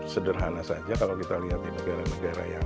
sederhana saja kalau kita lihat di negara negara yang